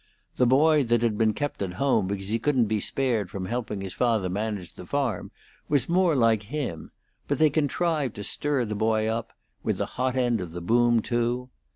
The boy that had been kept at home because he couldn't be spared from helping his father manage the farm was more like him, but they contrived to stir the boy up with the hot end of the boom, too.